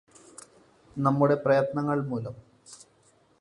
നമ്മുടെ പ്രയത്നങ്ങള് മൂലം